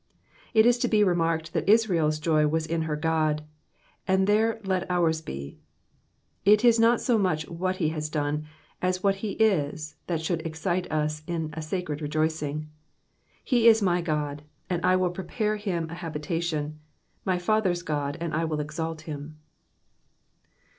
It is to be remarked that IsraePs joy was in her God, and there let ours be. It is not so much what he has done, as what he is, that should excite in us a sacred rejoicing. *' He is my God, and I will prepare him an habitation ; my father's God, and I will exalt him."